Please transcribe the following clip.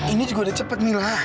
ini juga udah cepet mila